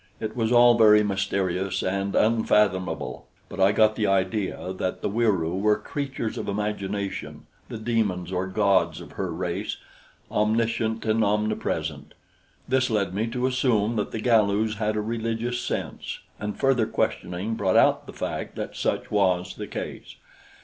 It was all very mysterious and unfathomable, but I got the idea that the Wieroo were creatures of imagination the demons or gods of her race, omniscient and omnipresent. This led me to assume that the Galus had a religious sense, and further questioning brought out the fact that such was the case.